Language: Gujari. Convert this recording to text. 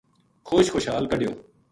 خوش خُشحال کَڈہیو